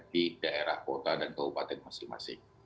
di daerah kota dan kabupaten masing masing